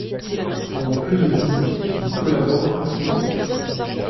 Pendant plus de dix ans, il y collabore quotidiennement.